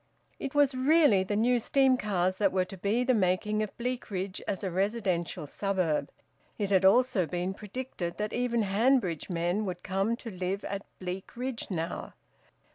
It was really the new steam cars that were to be the making of Bleakridge as a residential suburb. It had also been predicted that even Hanbridge men would come to live at Bleakridge now.